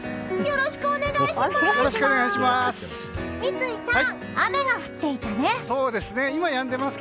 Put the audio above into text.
よろしくお願いします！